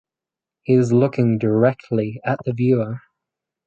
He is looking directly at the viewer.